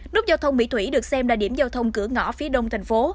nút giao thông mỹ thủy được xem là điểm giao thông cửa ngõ phía đông thành phố